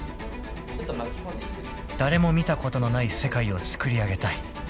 ［誰も見たことのない世界をつくり上げたい］